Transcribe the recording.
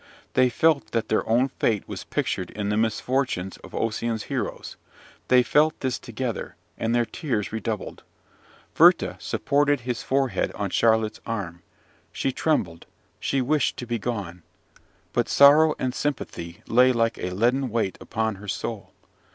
They felt that their own fate was pictured in the misfortunes of Ossian's heroes, they felt this together, and their tears redoubled. Werther supported his forehead on Charlotte's arm: she trembled, she wished to be gone; but sorrow and sympathy lay like a leaden weight upon her soul.